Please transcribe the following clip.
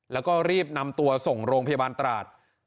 แล้วก็รีบนำตัวส่งโรงพยาบาลตราด